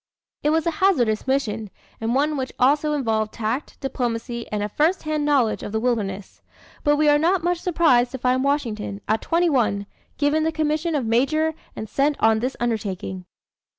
It was a hazardous mission, and one which also involved tact, diplomacy, and a first hand knowledge of the wilderness. But we are not much surprised to find Washington, at twenty one, given the commission of major and sent on this undertaking.